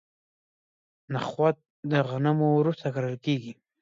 نخود د غنمو وروسته کرل کیږي.